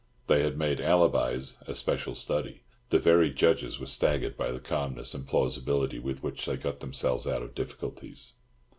They had made "alibis" a special study; the very judges were staggered by the calmness and plausibility with which they got themselves out of difficulties.